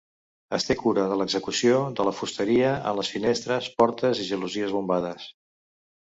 Es té cura de l'execució de la fusteria en les finestres, portes i gelosies bombades.